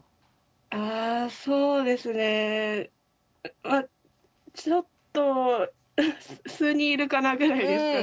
あそうですねまあちょっと数人いるかなぐらいですかね。